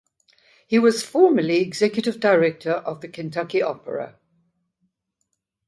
He was formerly executive director of the Kentucky Opera.